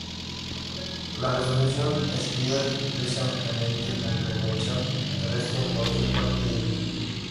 La resolución excluyó explícitamente la intervención terrestre en cualquier parte de Libia.